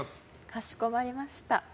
かしこまりました。